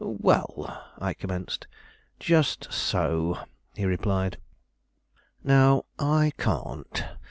"Well, " I commenced. "Just so," he replied; "now, I can't.